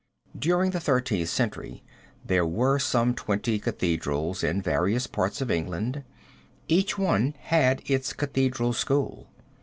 During the Thirteenth Century there were some twenty cathedrals in various parts of England; each one had its cathedral school.